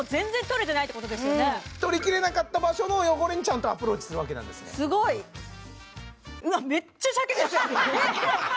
取りきれなかった場所の汚れにちゃんとアプローチするわけなんですね